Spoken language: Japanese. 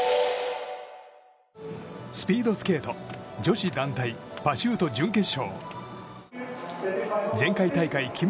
スピードスケート女子団体パシュート準決勝。